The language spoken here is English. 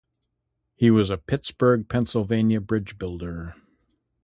He was a Pittsburgh, Pennsylvania, bridge-builder.